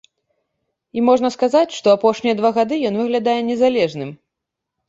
І можна сказаць, што апошнія два гады ён выглядае незалежным.